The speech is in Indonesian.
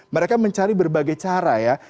mereka mencari berbagai cara ya